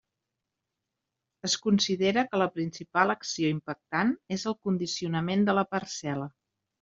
Es considera que la principal acció impactant és el condicionament de la parcel·la.